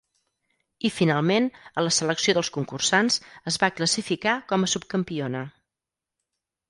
I finalment, a la selecció dels concursants, es va classificar com a subcampiona.